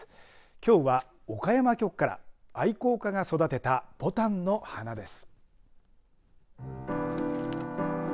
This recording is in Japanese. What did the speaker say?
きょうは岡山局から愛好家が育てたぼたんの花です。